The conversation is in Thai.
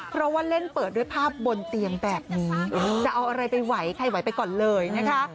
เพราะว่าเล่นเปิดด้วยภาพบนเตียงแบบนี้จะเอาอะไรไปไหวใครไหวไปก่อนเลยนะคะ